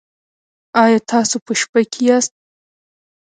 ایا تاسو په شپه کې یاست؟